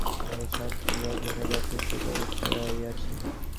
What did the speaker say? আমাদের শাস্ত্রে ইহার জন্য যথেষ্ট ব্যবস্থা রহিয়াছে।